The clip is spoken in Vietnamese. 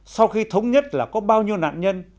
sau khi thống nhất là có bao nhiêu nạn nhân